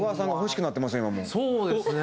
そうですね。